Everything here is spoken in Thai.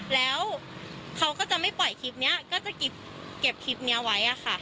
แล้วเขาก็จะไม่ปล่อยคลิปนี้ก็จะเก็บคลิปนี้ไว้ค่ะ